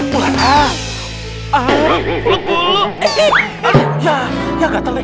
kalah kalah kalah